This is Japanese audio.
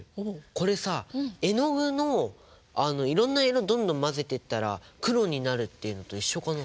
これさ絵の具のいろんな色どんどん混ぜていったら黒になるっていうのと一緒かな？